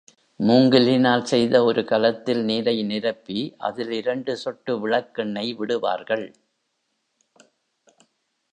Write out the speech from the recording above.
மூங்கிலினால் செய்த ஒரு கலத்தில் நீரை நிரப்பி, அதில் இரண்டு சொட்டு விளக்கெண்ணெய் விடுவார்கள்.